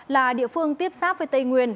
là địa phương tiếp xác với tây nguyên